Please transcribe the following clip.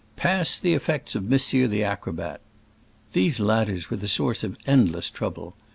"Pass the effects of monsieur the acrobat!" These ladders were the source of end less trouble.